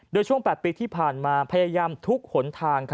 โดยช่วง๘ปีที่ผ่านมาพยายามทุกหนทาง